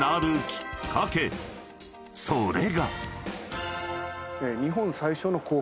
［それが］